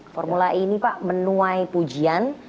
formula e ini pak menuai pujian